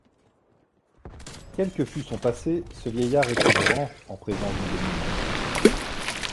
Quel que fût son passé, ce vieillard était grand en présence du dénoûment.